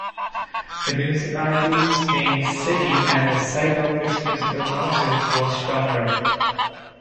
The municipality's main city and the site of its municipal council was Tommerup.